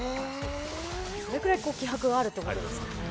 それくらい気迫があるってことですよね。